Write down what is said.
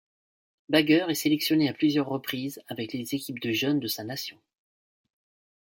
Bager est sélectionné à plusieurs reprises avec les équipes de jeunes de sa nation.